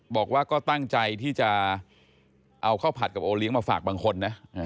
บอกว่าก็ตั้งใจที่จะเอาข้าวผัดกับโอเลี้ยงมาฝากบางคนนะ